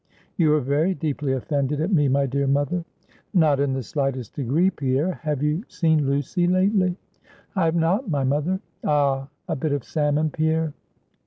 "You are very deeply offended at me, my dear mother." "Not in the slightest degree, Pierre. Have you seen Lucy lately?" "I have not, my mother." "Ah! A bit of salmon, Pierre."